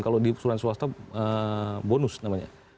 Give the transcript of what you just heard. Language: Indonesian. kalau di suransuasta bonus namanya